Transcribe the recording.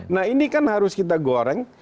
nah ini kan harus kita goreng